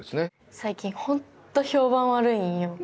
最近ほんと評判悪いんよ